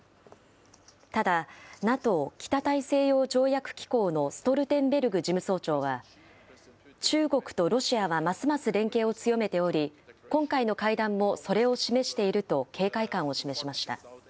ただ、ＮＡＴＯ・北大西洋条約機構のストルテンベルグ事務総長は、中国とロシアはますます連携を強めており、今回の会談もそれを示していると警戒感を示しました。